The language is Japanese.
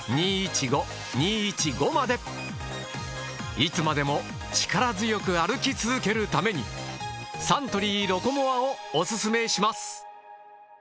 いつまでも力強く歩き続けるためにサントリーロコモアをオススメします。